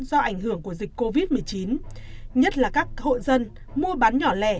do ảnh hưởng của dịch covid một mươi chín nhất là các hộ dân mua bán nhỏ lẻ